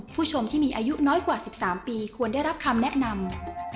ผู้ชมที่มีอายุน้อยกว่า๑๓ปีควรได้รับคำแนะนำ